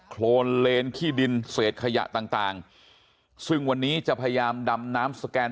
โครนเลนที่ดินเศษขยะต่างต่างซึ่งวันนี้จะพยายามดำน้ำสแกน